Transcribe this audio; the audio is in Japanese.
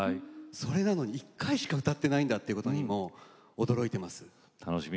それなのに１回しか歌っていないということに驚いています。